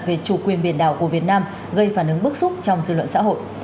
về chủ quyền biển đảo của việt nam gây phản ứng bức xúc trong dư luận xã hội